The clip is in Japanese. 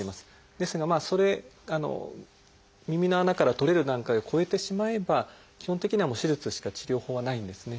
ですがそれ耳の穴から取れる段階を超えてしまえば基本的にはもう手術しか治療法はないんですね。